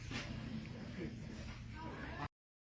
โปรดติดตามตอนต่อไป